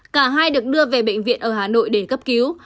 cả hai được đưa về bệnh viện ở hà nội để cấp cứu